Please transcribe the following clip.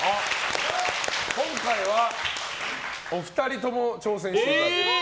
今回はお二人とも挑戦していただきます！